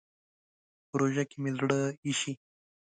په روژه کې مې زړه اېشي.